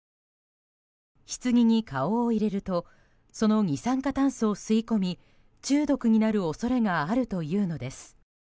ひつぎに顔を入れるとその二酸化炭素を吸い込み中毒になる恐れがあるというのです。